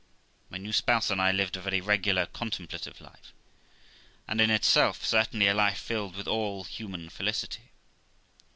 My new spouse and I lived a very regular, contemplative life; and, in itself, certainly a life filled with all human felicity.